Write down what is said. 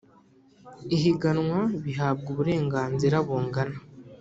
ihiganwa bihabwa uburenganzira bungana